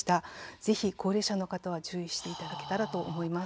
ぜひ高齢者の方は注意していただけたらと思います。